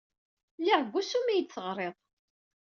Lliɣ deg wusu mi iyi-d-teɣrid.